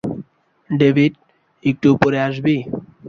David, একটু উপরে আসবি?